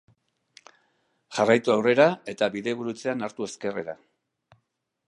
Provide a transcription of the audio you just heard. Jarraitu aurrera, eta bidegurutzean hartu ezkerrera